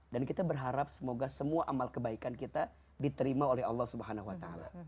dan kita berharap semoga semua amal kebaikan kita diterima oleh allah swt